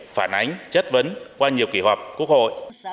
phản ánh chất vấn qua nhiều kỳ họp quốc hội